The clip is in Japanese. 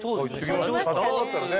社長だったらね。